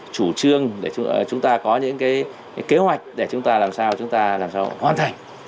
chủ trương để chúng ta có những cái kế hoạch để chúng ta làm sao chúng ta làm sao hoàn thành